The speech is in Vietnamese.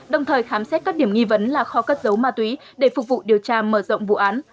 đồng thời khám xét các điểm nghi vấn là kho cất dấu ma túy để phục vụ điều tra mở rộng vụ án